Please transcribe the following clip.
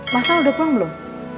mas al udah pulang belum